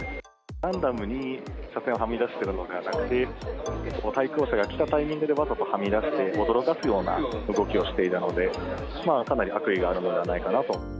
ランダムに車線をはみ出しているのではなくて、対向車が来たタイミングでわざとはみ出して、驚かすような動きをしているので、まあかなり、悪意があるのではないかなと。